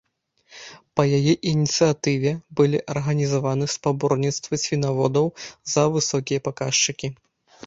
Па яе ініцыятыве былі арганізаваны спаборніцтвы свінаводаў за высокія паказчыкі.